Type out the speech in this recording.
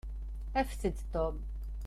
Afet-d Tom.